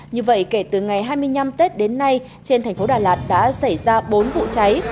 như vậy kể từ ngày hai mươi năm tết đến nay trên thành phố đà lạt đã xảy ra bốn vụ cháy